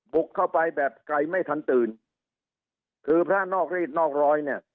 บุกเข้าไปแบบไกลไม่ทันตื่นคือพระนอกรีดนอกร้อยเนี่ย